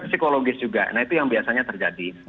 psikologis juga nah itu yang biasanya terjadi